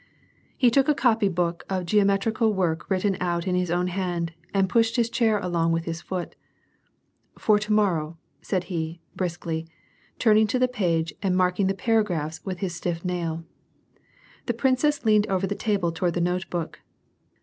He took a copy book of geometrical work written out in his own hand, and pushed his chair along with his foot. " For to morrow," said he, briskly, turning to the page, and marking the paragraphs with his stiff nail. The princess leaned over the table toward the note book.